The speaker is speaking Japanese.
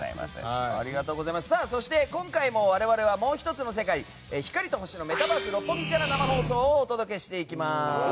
そして今回も我々はもう１つの世界光と星のメタバース六本木から生放送をお届けしていきます。